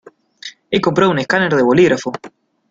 He comprado un escáner de bolígrafo.